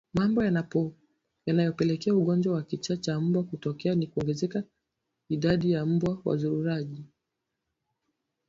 Mambo yanayopelekea ugonjwa wa kichaa cha mbwa kutokea ni kuongezeka idadi ya mbwa wazururaji